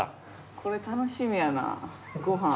これ楽しみやなご飯。